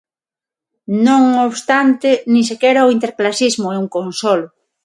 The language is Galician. Non obstante, nin sequera o interclasismo é un consolo.